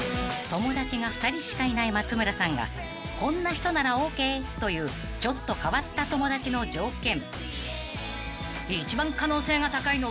［友達が２人しかいない松村さんがこんな人ならＯＫというちょっと変わった友達の条件］